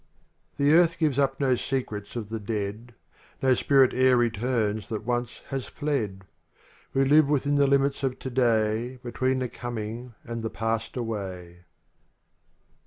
urn The earth gives up no secrets of the dead, No spirit e'er returns that once has fled; We live within the limits of today Between the coming and the passed away.